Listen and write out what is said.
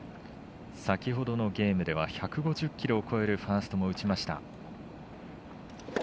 先ほどのゲームでは１５０キロを超えるファーストも打ちました。